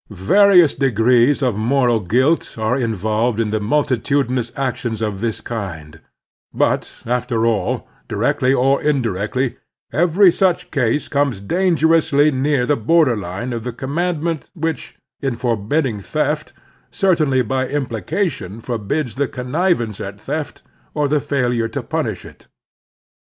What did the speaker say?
Various degrees of moral guilt are involved in the multitudinous actions of this kind ; but, after all, directly or indirectly, every such case comes dan gerously near the border line of the command ment which, in forbidding theft, certainly by implication forbids the connivance at theft, or the failure to punish it.